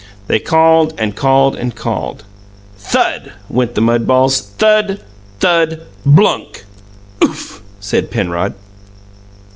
They called and called and called. THUD! went the mud balls. Thud! Thud! Blunk! "OOF!" said Penrod.